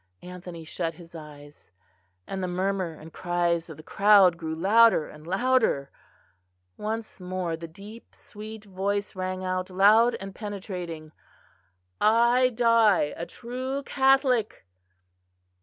Anthony shut his eyes, and the murmur and cries of the crowd grew louder and louder. Once more the deep sweet voice rang out, loud and penetrating: "I die a true Catholic...."